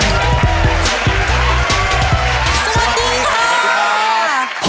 สวัสดีค่ะ